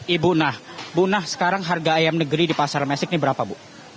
ibu nah ibu nah sekarang harga ayam negeri di pasar mestik ini berapa bu